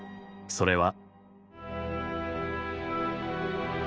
それは。